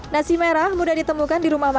nasi merah mudah ditemukan di rumah makan